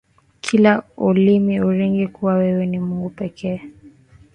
Kila ulimi ukiri kuwa wewe ni Mungu pekee.